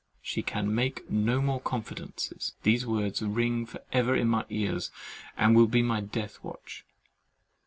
"SHE CAN MAKE NO MORE CONFIDENCES"—these words ring for ever in my ears, and will be my death watch.